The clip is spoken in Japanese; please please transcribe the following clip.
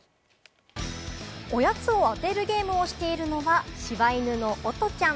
おやつを当てるゲームをしているのは、しば犬のおとちゃん。